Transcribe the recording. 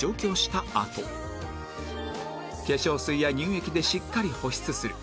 あと化粧水や乳液でしっかり保湿する